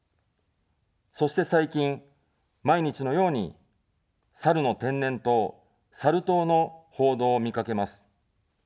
そして、最近、毎日のようにサルの天然痘、サル痘の報道を見かけます。